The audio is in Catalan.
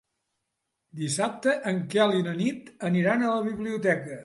Dissabte en Quel i na Nit aniran a la biblioteca.